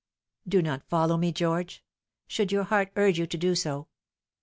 " Do not follow me, George should your heart urge you to do so.